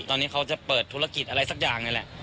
ตอนนี้เขาจะเปิดธุรกิจอะไรสักอย่างนี่แหละ